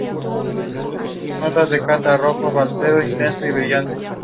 Posteriormente se trasladó a estudiar en la filial de su alma máter en Santiago.